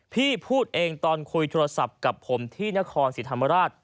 พี่พูดเองตอนคุยโทรศัพท์กับผมที่นครศรีธรรมราช